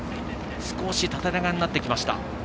少し縦長になってきました。